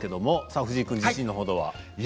藤井君、自信のほどは？